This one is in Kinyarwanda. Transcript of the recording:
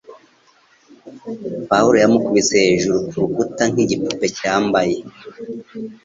Paul yamukubise hejuru kurukuta nkigipupe cyambaye.